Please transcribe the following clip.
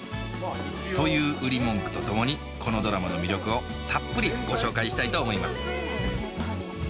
という売り文句とともにこのドラマの魅力をたっぷりご紹介したいと思います